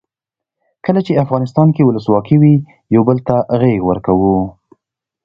کله چې افغانستان کې ولسواکي وي یو بل ته غیږ ورکوو.